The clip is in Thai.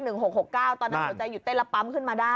ตอนนั้นเขาใจหยุดเต้นลับปั๊มขึ้นมาได้